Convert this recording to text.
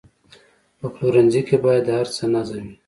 په پلورنځي کې باید د هر څه نظم وي.